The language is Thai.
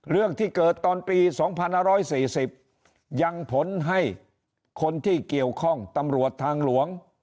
เรื่องที่เกิดตอนปี๒๕๔๐ยังผลให้คนที่เกี่ยวข้องตำรวจทางหลวง